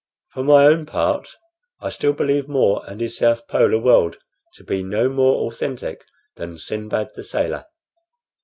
For my own part, I still believe More and his south polar world to be no more authentic than Sindbad the Sailor."